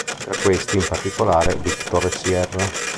Tra questi, in particolare, Victor e Sierra.